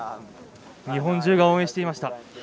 日本中が応援していました。